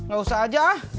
gak usah aja